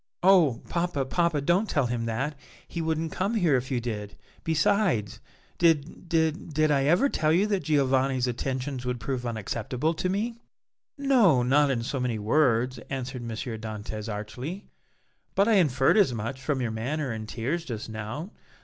"Oh! papa, papa, don't tell him that; he wouldn't come here if you did; besides, did did did I ever tell you that Giovanni's attentions would prove unacceptable to me?" "No, not in so many words," answered M. Dantès, archly, "but I inferred as much from your manner and tears just now.